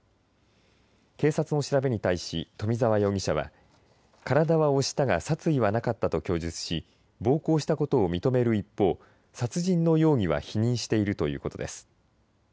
警察の調べに対し冨澤容疑者は体は押したが殺意はなかったと供述し暴行したことを認める一方殺人の容疑は否認しているということです。